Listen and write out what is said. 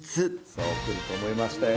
そう来ると思いましたよ。